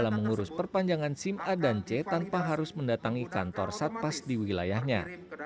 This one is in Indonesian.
mengurus perpanjangan sim a dan c tanpa harus mendatangi kantor satpas di wilayahnya